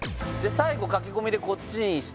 最後駆け込みでこっちにしたんです